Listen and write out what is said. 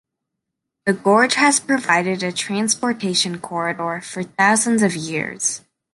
The gorge has provided a transportation corridor for thousands of years.